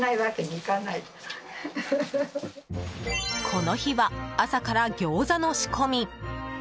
この日は朝からギョーザの仕込み。